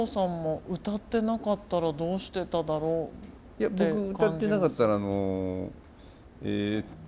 いや僕歌ってなかったらあのえっと。